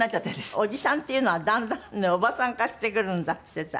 おじさんっていうのはだんだんねおばさん化してくるんだって言ってた。